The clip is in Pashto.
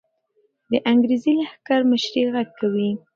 د انګریزي لښکر مشري غږ کوي.